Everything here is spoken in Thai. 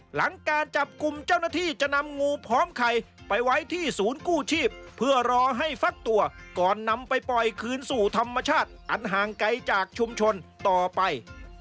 หลังการจับกลุ่มเจ้าหน้าที่จะนำงูพร้อมไข่ไปไว้ที่ศูนย์กู้ชีพเพื่อรอให้ฟักตัวก่อนนำไปปล่อยคืนสู่ธรรมชาติอันห่างไกลจากชุมชนต่อไป